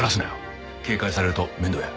警戒されると面倒や。